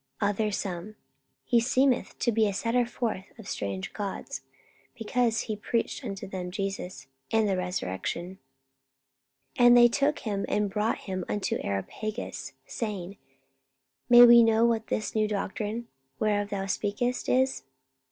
other some, He seemeth to be a setter forth of strange gods: because he preached unto them Jesus, and the resurrection. 44:017:019 And they took him, and brought him unto Areopagus, saying, May we know what this new doctrine, whereof thou speakest, is?